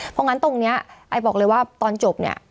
เพราะงั้นตรงนี้ไอบอกเลยว่าตอนจบเนี่ย